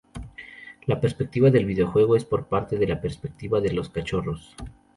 La perspectiva del videojuego es por parte de la perspectiva de los cachorros.